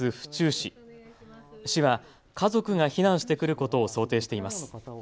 市は家族が避難してくることを想定しています。